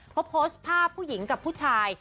เขาโพสต์ภาพผู้หญิงกับผู้ชาย